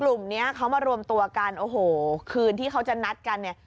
กลุ่มเนี้ยเขามารวมตัวกันโอ้โหคืนที่เขาจะนัดกันเนี่ย